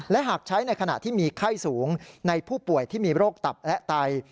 และหากใช้ในขณะที่มีไข้สูงในผู้ป่วยที่มีโรคตับและไต